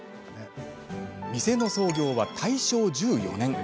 店の創業は大正１４年。